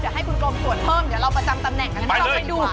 เดี๋ยวให้คุณกรมส่วนเพิ่มเดี๋ยวเราประจำตำแหน่งงั้นกลับมาดู